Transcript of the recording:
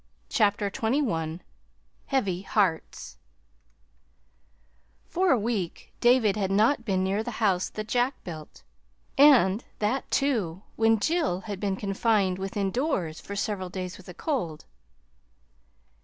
CHAPTER XXI HEAVY HEARTS For a week David had not been near the House that Jack Built, and that, too, when Jill had been confined within doors for several days with a cold.